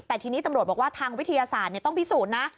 แต่ทีนี้ตำรวจบอกว่าทางวิทยาศาสตร์ต้องพิสูจน์นะ